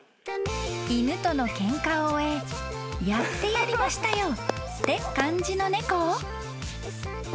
［犬とのケンカを終え「やってやりましたよ」って感じの猫を］